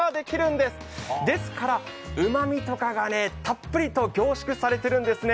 ですから、うまみとかがたっぷりと凝縮されているんですね。